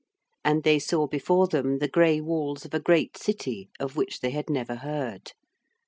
And they saw before them the gray walls of a great city of which they had never heard.